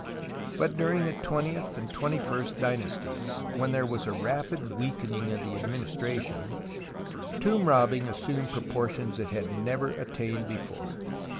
But during the twentieth and twenty first dynasties, when there was a rapid weakening of the Administra tion, tomb robbing assumed proportions it had never attained before.